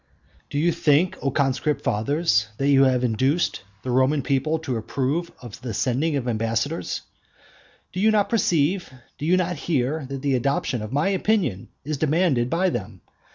Do you think, O conscript fathers, that you have induced the Roman people to approve of the sending ambassadors? Do you not perceive, do you not hear, that the adoption of my opinion is demanded by them?